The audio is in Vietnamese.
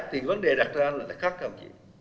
thì vấn đề đặt ra là khác không chị